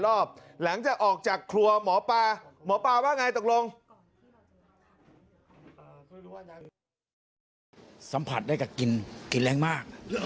โอ้โฮนี่จังหวะกดลงมา